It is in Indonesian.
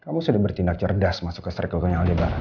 kamu sudah bertindak cerdas masuk ke circle nya aldebaran